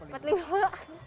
kalau ini empat puluh lima